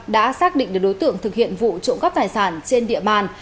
đã xác định được đối tượng thực hiện vụ trộm cắp tài sản trên địa bàn